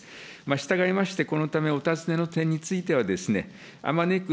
したがいまして、このため、お尋ねの点については、あまねく、